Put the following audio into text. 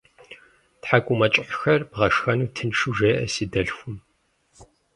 Тхьэкӏумэкӏыхьхэр бгъэшхэну тыншу жеӏэ си дэлъхум.